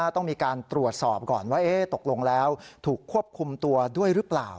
ต้องมีการตรวจสอบก่อนว่าตกลงแล้วถูกควบคุมตัวด้วยหรือเปล่า